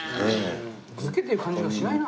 漬けっていう感じがしないな。